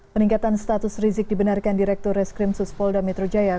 peningkatan status rizik dibenarkan direktur reskrim suspolda metro jaya